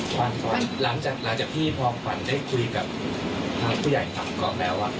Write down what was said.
ควันหลังจากพี่พอควันได้คุยกับผู้ใหญ่ฝั่งกรอบแล้ว